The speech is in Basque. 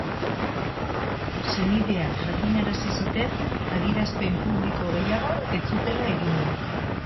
Senideek jakinarazi zuten adierazpen publiko gehiago ez zutela egingo.